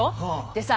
でさ